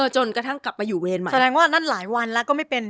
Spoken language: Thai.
จนกระทั่งกลับมาอยู่เวรใหม่แสดงว่านั่นหลายวันแล้วก็ไม่เป็น